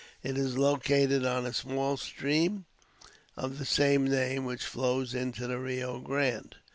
It is located on a small stream of the same name, which flows into the Rio Grande.